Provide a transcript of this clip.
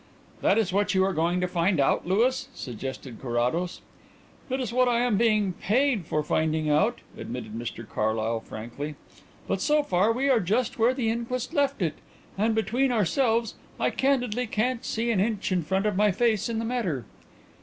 "That is what you are going to find out, Louis?" suggested Carrados. "It is what I am being paid for finding out," admitted Mr Carlyle frankly. "But so far we are just where the inquest left it, and, between ourselves, I candidly can't see an inch in front of my face in the matter."